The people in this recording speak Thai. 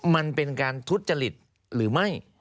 มันเป็นการทุจริตหรือไม่